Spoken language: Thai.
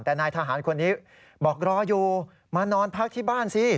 แต่นายทหารคนนี้บอกรออยู่มานอนพักที่บ้านสิ